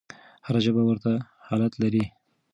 هره ژبه ورته حالت لري.